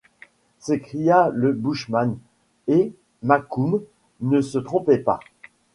s’écria le bushman, et Mokoum ne se trompait pas.